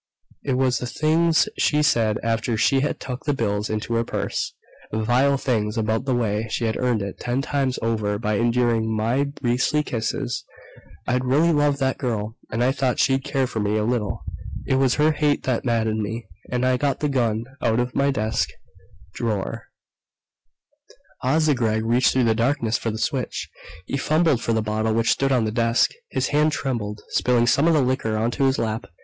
It was the things she said, after she had tucked the bills into her purse ... vile things, about the way she had earned it ten times over by enduring my beastly kisses. I'd really loved that girl, and I'd thought she'd cared for me a little. It was her hate that maddened me, and I got the gun out of my desk drawer "Asa Gregg reached through the darkness for the switch. He fumbled for the bottle which stood on the desk. His hand trembled, spilling some of the liquor onto his lap.